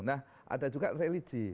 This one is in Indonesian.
nah ada juga religi